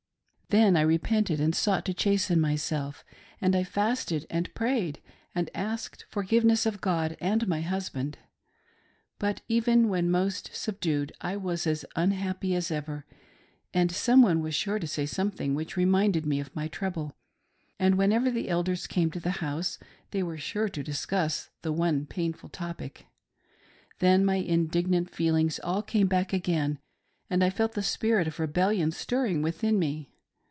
Then I repented, and sought to chasten myself; and I fasted and pra.yed and asked forgiveness of God and my husband. But even when most subdued I was as unhappy as ever, and some one was sure to say something which reminded me of my trouble, and whenever the Elders came to the house they were sure to discuss the one painful topic. Then my indig nant feelings all came back again, and I felt the spirit of rebel lion stirring within me.